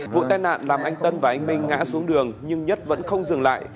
vụ tai nạn làm anh tân và anh minh ngã xuống đường nhưng nhất vẫn không dừng lại